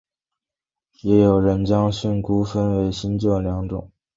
也有人将训诂学分为新旧两种。